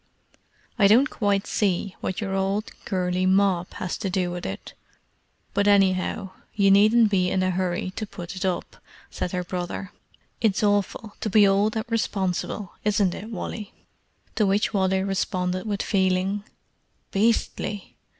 "I don't quite see what your old curly mop has to do with it, but anyhow, you needn't be in a hurry to put it up," said her brother. "It's awful to be old and responsible, isn't it Wally?" To which Wally responded with feeling, "Beastly!"